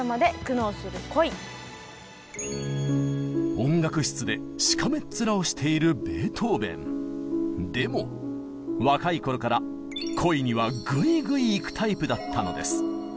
音楽室でしかめっ面をしているでも若い頃から恋にはグイグイいくタイプだったのです。